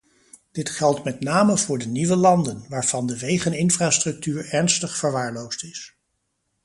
Dit geldt met name voor de nieuwe landen, waarvan de wegeninfrastructuur ernstig verwaarloosd is.